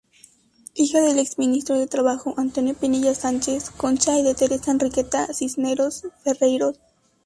Hija del exministro de Trabajo, Antonio Pinilla Sánchez-Concha y de Teresa Enriqueta Cisneros Ferreyros.